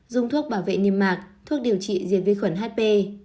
dùng thuốc bảo vệ niêm mạc thuốc điều trị diệt vi khuẩn hp